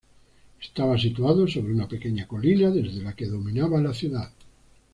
Estaba situado sobre una pequeña colina desde la que dominaba la ciudad.